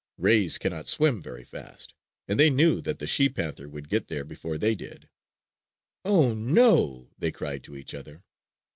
Rays cannot swim very fast, and they knew that the she panther would get there before they did. "Oh, oh!" they cried to each other.